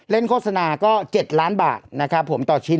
โฆษณาก็๗ล้านบาทนะครับผมต่อชิ้น